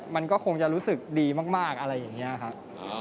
มันก็คงจะรู้สึกดีมากอะไรอย่างนี้ครับ